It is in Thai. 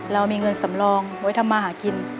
เรามีเงินสำรองไว้ทำมาหากิน